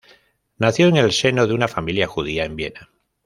Nació en el seno de una familia judía en Viena.